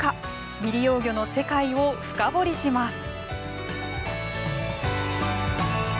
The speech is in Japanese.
未利用魚の世界を深堀りします。